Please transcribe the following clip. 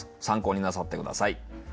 参考になさって下さい。